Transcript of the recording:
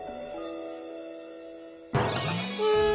うん。